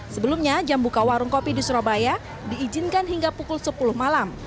sebelumnya jam buka warung kopi di surabaya diizinkan hingga pukul sepuluh malam